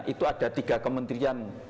itu ada tiga kementerian